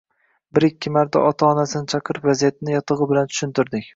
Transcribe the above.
Bir-ikki marta ota-onasini chaqirib, vaziyatni yotig`i bilan tushuntirdik